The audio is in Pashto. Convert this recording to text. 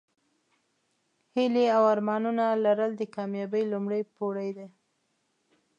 هیلې او ارمانونه لرل د کامیابۍ لومړۍ پوړۍ ده.